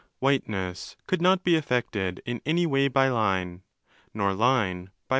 WAiteness could not be affected in any way by dime nor Line by whiteness— 645.